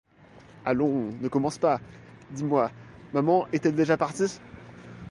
Allons, ne commence pas… Dis-moi, maman est-elle déjà partie ?